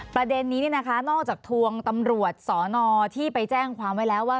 ประเด็นนี้นะคะนอกจากทวงตำรวจสอนอที่ไปแจ้งความไว้แล้วว่า